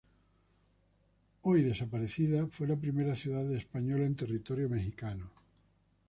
Hoy desaparecida, fue la primera ciudad española en territorio mexicano.